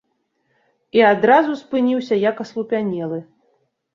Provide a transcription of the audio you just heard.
І адразу спыніўся як аслупянелы.